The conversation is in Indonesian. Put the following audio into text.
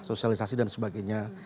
sosialisasi dan sebagainya